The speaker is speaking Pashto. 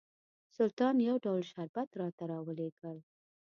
سلطان یو ډول شربت راته راولېږل.